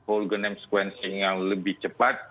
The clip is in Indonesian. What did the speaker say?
organic sequencing yang lebih cepat